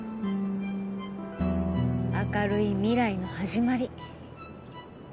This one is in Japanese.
明るい未来の始まり。